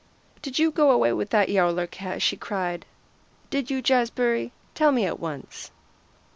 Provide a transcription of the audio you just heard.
"Did you go away with that Yowler cat?" she cried. "Did you, Jazbury? Tell me at once."